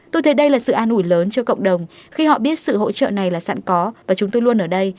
tôi thấy đây là sự an ủi lớn cho cộng đồng khi họ biết sự hỗ trợ này là sẵn có và chúng tôi luôn ở đây